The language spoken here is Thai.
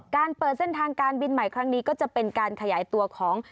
เปิดเส้นทางการบินใหม่ครั้งนี้ก็จะเป็นการขยายตัวของ